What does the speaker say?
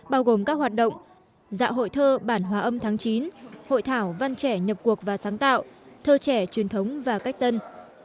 bao gồm các hoạt động dạ hội thơ bản hòa âm tháng chín hội thảo văn trẻ nhập cuộc và sáng tạo thơ trẻ truyền thống và cách tân